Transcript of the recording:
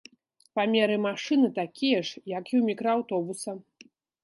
Памеры машыны такія ж, як і ў мікрааўтобуса.